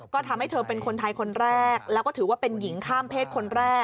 ก็ทำให้เธอเป็นคนไทยคนแรกแล้วก็ถือว่าเป็นหญิงข้ามเพศคนแรก